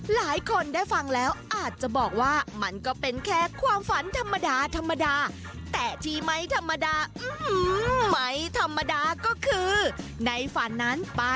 หลายคนได้ฟังแล้วอาจจะบอกว่ามันก็เป็นแค่ความฝันธรรมดา